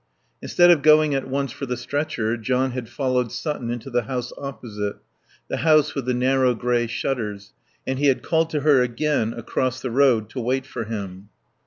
Instead of going at once for the stretcher John had followed Sutton into the house opposite, the house with the narrow grey shutters. And he had called to her again across the road to wait for him.